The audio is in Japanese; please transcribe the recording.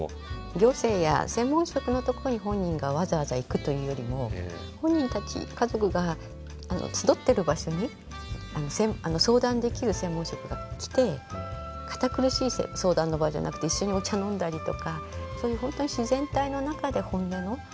行政や専門職のとこに本人がわざわざ行くというよりも本人たち家族が集ってる場所に相談できる専門職が来て堅苦しい相談の場じゃなくて一緒にお茶飲んだりとかそういう本当に自然体の中で本音の相談が出るという。